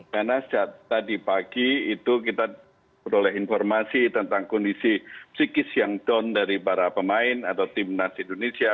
karena tadi pagi itu kita teroleh informasi tentang kondisi psikis yang down dari para pemain atau tim nasi indonesia